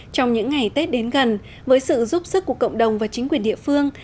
trong những ngày tết đến gần với sự giúp sức của cộng đồng và chính quyền địa phương